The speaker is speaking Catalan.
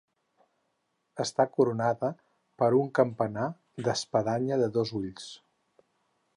Està coronada per un campanar d'espadanya de dos ulls.